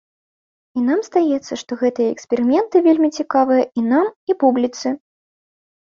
І нам здаецца, што гэтыя эксперыменты вельмі цікавыя і нам, і публіцы.